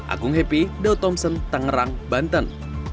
aku ngheppi daud thompson tangerang banten